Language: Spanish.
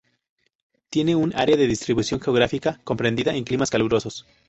Tiene un área de distribución geográfica comprendida en climas calurosos.